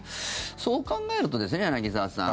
そう考えると、柳澤さん